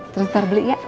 terus terus beli ya